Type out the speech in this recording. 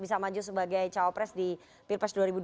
bisa maju sebagai cawapres di pilpres dua ribu dua puluh